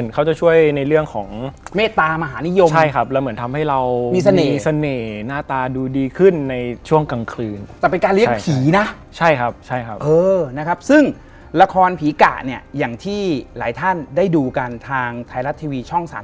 กินอะไรเข้าไปถึงหล่อขนาดนี้